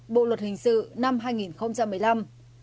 bộ luật hình sự năm hai nghìn một mươi năm